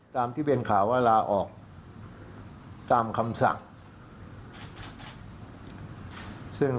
ตามที่เป็นข่าวว่าลาออกตามคำสั่ง